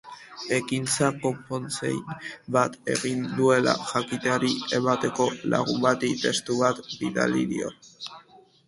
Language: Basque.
Ekintza konponezin bat egin duela jakitera emateko lagun bati testu bat bidali dio.